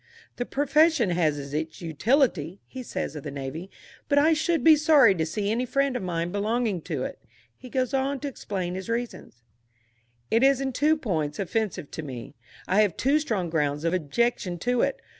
"The profession has its utility," he says of the Navy, "but I should be sorry to see any friend of mine belonging to it." He goes on to explain his reasons: It is in two points offensive to me; I have two strong grounds of objection to it.